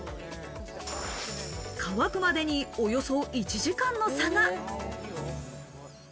乾くまでに、およそ１時間の差が。